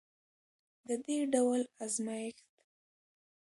د دې ډول ازمیښت